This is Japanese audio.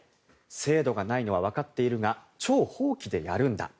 制度がないのは分かっているが超法規でやるんだ。